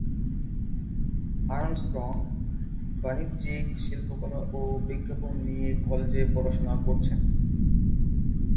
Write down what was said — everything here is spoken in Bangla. আর্মস্ট্রং বাণিজ্যিক শিল্পকলা ও বিজ্ঞাপন নিয়ে কলেজে পড়াশোনা করেছেন।